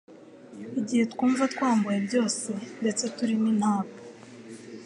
igihe twumva twambuwe byose ndetse turi n'intabwa,